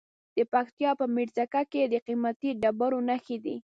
د پکتیا په میرزکه کې د قیمتي ډبرو نښې دي.